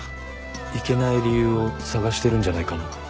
行けない理由を探してるんじゃないかな。